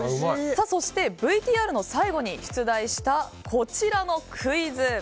そして、ＶＴＲの最後に出題したこちらのクイズ。